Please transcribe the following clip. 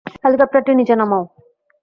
হেলিকপ্টারটি নিচে নামাও!